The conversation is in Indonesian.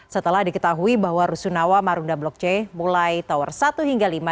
setelah diketahui bahwa rusunawa marunda blok c mulai tower satu hingga lima